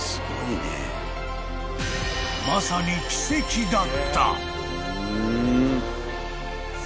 ［まさに奇跡だった］